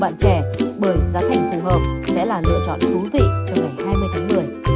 bạn trẻ bởi giá thành phù hợp sẽ là lựa chọn thú vị cho ngày hai mươi tháng một mươi